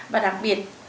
và đặc biệt